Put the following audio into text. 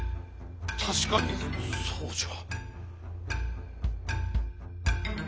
確かにそうじゃ。